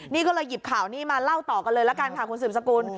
นี่ก็เลยหยิบข่าวนี้มาเล่าต่อกันเลยละกันค่ะคุณสืบสกุล